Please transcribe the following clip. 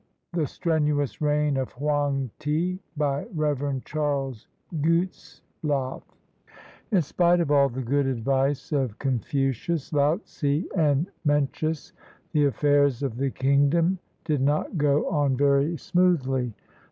THE STRENUOUS REIGN OF HOANG TI BY REV. CHARLES GUTZLAFF (In spite of all the good advice of Confucius, Laotsze, and Mencius, the affairs of the kingdom did not go on very smoothly.